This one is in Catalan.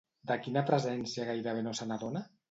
De quina presència gairebé no se n'adona?